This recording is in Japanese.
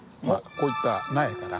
こういった苗から。